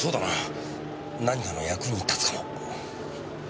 何かの役に立つかも。